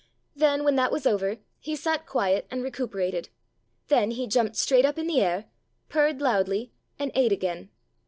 ... Then, when that was over, he sat quiet and recuperated; then he jumped straight up in the air, purred loudly, and ate again.